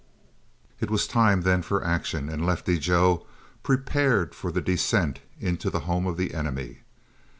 It was time then for action, and Lefty Joe prepared for the descent into the home of the enemy.